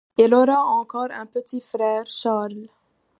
Il aura encore un petit frère, Charles.